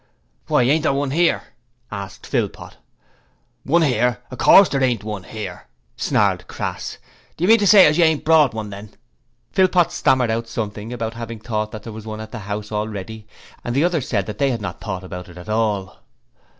'Why, ain't there one 'ere?' asked Philpot. 'One 'ere? Of course there ain't one 'ere!' snarled Crass. 'Do you mean to say as you ain't brought one, then?' Philpot stammered out something about having thought there was one at the house already, and the others said they had not thought about it at all.